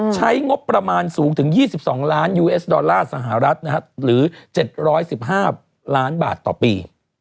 ใช้งบประมาณสูงถึง๒๒ล้านยูเอสดอลลาร์สหรัฐหรือ๗๑๕ล้านบาทต่อปี